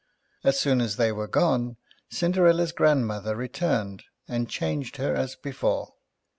As soon as they were gone, Cinderella's gi andmother returned and changed her as before.